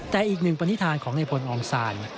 แต่อีกหนึ่งปณิธานของในพลออมซาน